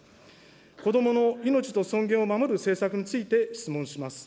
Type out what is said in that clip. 子どもの命と尊厳を守る政策について質問します。